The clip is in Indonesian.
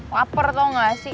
laper tau gak sih